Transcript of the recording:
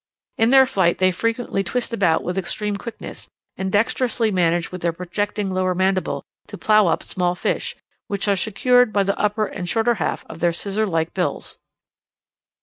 In their flight they frequently twist about with extreme quickness, and dexterously manage with their projecting lower mandible to plough up small fish, which are secured by the upper and shorter half of their scissor like [picture] bills.